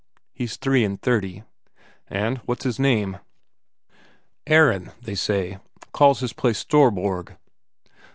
He's three and thirty." "And what's his name?" "Aron, they say. Calls his place Storborg."